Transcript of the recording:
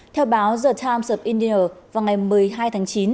theo báo the times of india vào ngày một mươi hai tháng chín